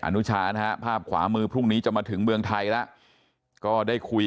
นุชานะฮะภาพขวามือพรุ่งนี้จะมาถึงเมืองไทยแล้วก็ได้คุย